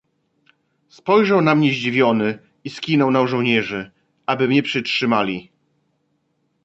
"Spojrzał na mnie zdziwiony i skinął na żołnierzy, aby mnie przytrzymali."